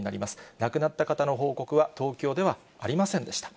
亡くなった方の報告は、東京ではありませんでした。